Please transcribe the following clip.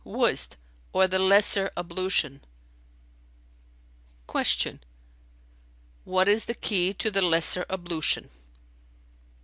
"Wuzd or the lesser ablution."[FN#303] Q "What is the key to the lesser ablution?"